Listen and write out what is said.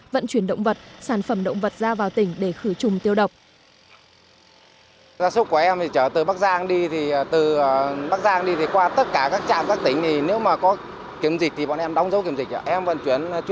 vận chuyển động vật sản phẩm động vật ra vào tỉnh để khử trùng tiêu độc